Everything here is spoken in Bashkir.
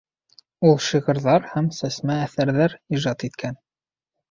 Ул шиғырҙар һәм сәсмә әҫәрҙәр ижад иткән.